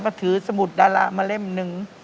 ก็ถือสมุดดารามาเล่มหนึ่ง